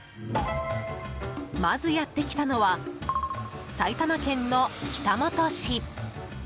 まずやってきたのは埼玉県の北本市。